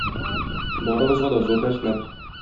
Барыгызга да зур рәхмәт!